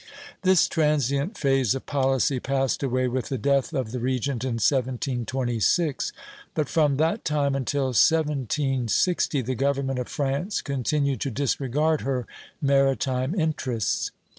This transient phase of policy passed away with the death of the regent in 1726; but from that time until 1760 the government of France continued to disregard her maritime interests.